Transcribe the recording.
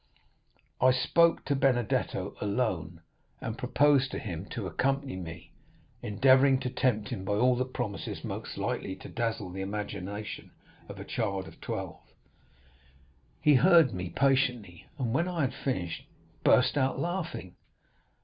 I spoke to Benedetto alone, and proposed to him to accompany me, endeavoring to tempt him by all the promises most likely to dazzle the imagination of a child of twelve. He heard me patiently, and when I had finished, burst out laughing.